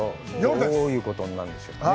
どういう事になるんでしょうかね？